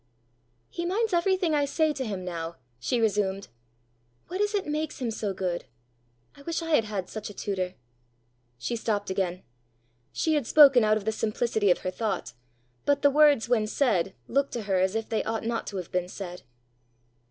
"He minds everything I say to him now," she resumed. "What is it makes him so good? I wish I had had such a tutor!" She stopped again: she had spoken out of the simplicity of her thought, but the words when said looked to her as if they ought not to have been said.